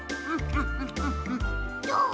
どう？